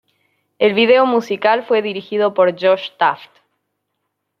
El video musical fue dirigido por Josh Taft.